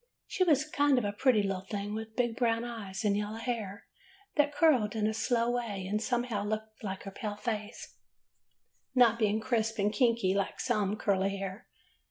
"She was a kind of pretty little thing, with big brown eyes and yellow hair that curled in a slow way and somehow looked like her pale face, not being crisp and kinky like some curly hair.